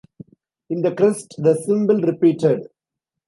In the crest the symbol repeated.